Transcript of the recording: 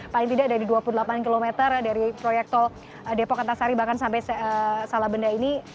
paling tidak dari dua puluh delapan km dari proyek tol depok antasari bahkan sampai salabenda ini